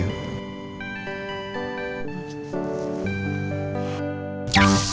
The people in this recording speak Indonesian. aku mau ke rumah